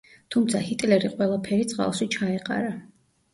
თუმცა ჰიტლერი ყველაფერი წყალში ჩაეყარა.